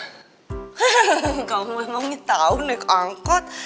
hehehe kamu emangnya tau naik angkot